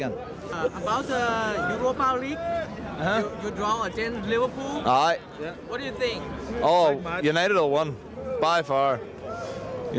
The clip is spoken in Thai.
แบบนั้นก็ได้